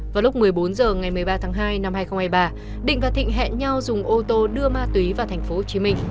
vào lúc một mươi bốn h ngày một mươi ba tháng hai năm hai nghìn hai mươi ba định và thịnh hẹn nhau dùng ô tô đưa ma túy vào tp hcm